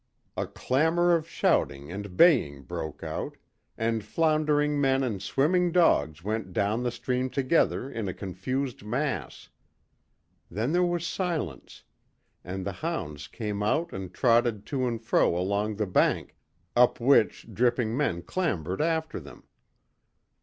A clamour of shouting and baying broke out, and floundering men and swimming dogs went down the stream together in a confused mass. Then there was silence, and the hounds came out and trotted to and fro along the bank, up which dripping men clambered after them.